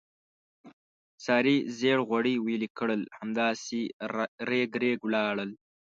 سارې زېړ غوړي ویلې کړل، همداسې رېګ رېګ ولاړل.